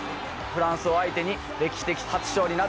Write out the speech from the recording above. フランスを相手に歴史的初勝利なるか？